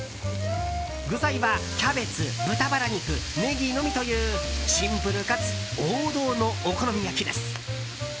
具材は、キャベツ、豚バラ肉ネギのみというシンプルかつ王道のお好み焼きです。